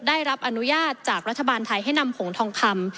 ได้รับอนุญาตจากรัฐบาลไทยให้นำผงทองคำ